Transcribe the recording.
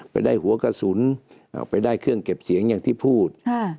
ไปได้หัวกระสุนไปได้เครื่องเก็บเสียงอย่างที่พูด